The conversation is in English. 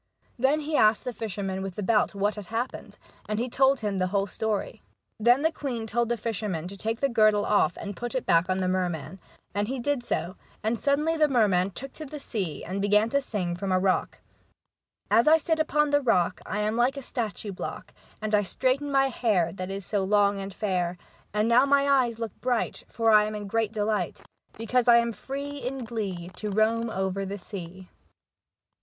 Then he asked the fisherman with the belt what had happened, and he told him the whole story. Then the queen told the fisherman to take the girdle off and put it back on the merman, and he did so ; and suddenly the merman took to the sea, and began to sing from a rock : "As I sit upon the rock, I am like a statue block, And I straighten my hair, That is so long and fair. And now my eyes look bright, For I am in great delight, Because I am free in glee, To roam over the sea.'